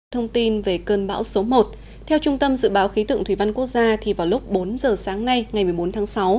thông tin về cơn bão số một theo trung tâm dự báo khí tượng thủy văn quốc gia thì vào lúc bốn giờ sáng nay ngày một mươi bốn tháng sáu